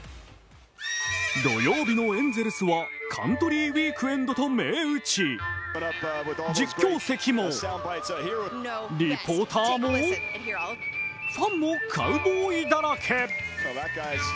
土曜日のエンゼルスはカントリーウイークエンドと銘打ち、実況席も、リポーターも、ファンもカウボーイだらけ。